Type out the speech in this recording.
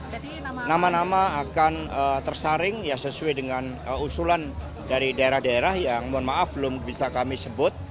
jadi nama nama akan tersaring ya sesuai dengan usulan dari daerah daerah yang mohon maaf belum bisa kami sebut